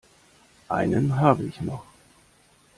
Einen habe ich noch.